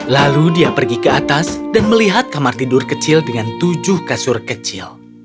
lalu dia pergi ke atas dan melihat kamar tidur kecil dengan tujuh kasur kecil